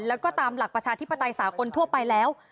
แล้วก็ตามหลักประชาธิปไตยสากลทั่วไปแล้ว